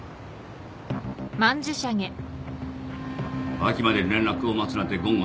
秋まで連絡を待つなんて言語道断だ。